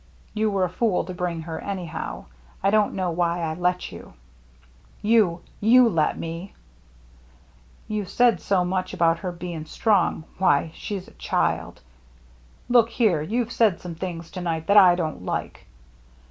Toa were a fool to bring her, anyhow. I don't know why I let TOO." "^nu/ r^letme!" ^ Too said so much aboat her bong strong. Why, she's a child." ^ Look here, yooVe said s<Mne diings to night that I don't like."